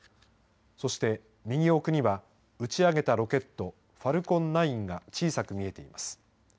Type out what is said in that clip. そして右奥には打ち上げたロケットファルコン９が小さく見えています。